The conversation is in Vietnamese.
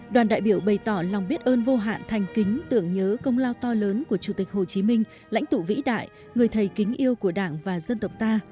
đoàn đại biểu bày tỏ lòng biết ơn vô hạn thành kính tưởng nhớ công lao to lớn của chủ tịch hồ chí minh lãnh tụ vĩ đại người thầy kính yêu của đảng và dân tộc ta